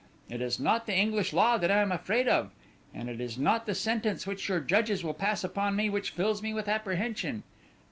It is not the English law that I am afraid of, and it is not the sentence which your judges will pass upon me which fills me with apprehension.